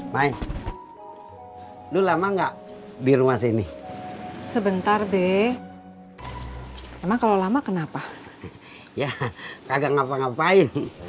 mai dulu lama nggak di rumah sini sebentar deh emang kalau lama kenapa ya kagak ngapa ngapain